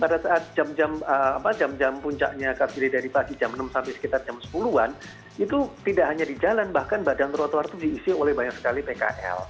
pada saat jam jam puncaknya kbri dari pagi jam enam sampai sekitar jam sepuluh an itu tidak hanya di jalan bahkan badan trotoar itu diisi oleh banyak sekali pkl